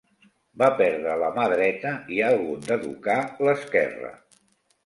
Va perdre la mà dreta i ha hagut d'educar l'esquerra.